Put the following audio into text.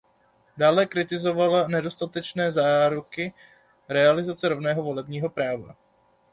Dále kritizovala nedostatečné záruky realizace rovného volebního práva.